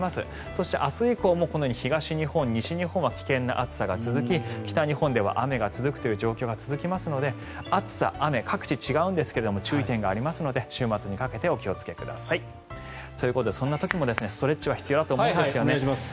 そして明日以降もこのように東日本、西日本は危険な暑さが続き北日本では雨が続くという状況が続きますので暑さ、雨、各地違うんですが注意点がありますので週末にかけてお気をつけください。ということでそんな時もストレッチは必要だと思うんですね。